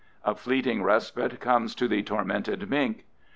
A fleeting respite comes to the tormented mink.